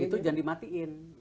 nah itu jangan dimatiin